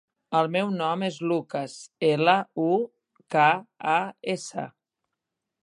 El meu nom és Lukas: ela, u, ca, a, essa.